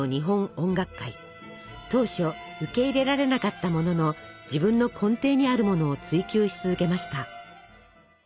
当初受け入れられなかったものの自分の根底にあるものを追求し続けました。